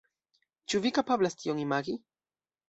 Ĉu vi kapablas tion imagi?